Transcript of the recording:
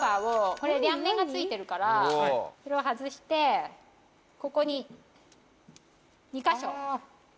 これ両面が付いてるからこれを外してここに２か所。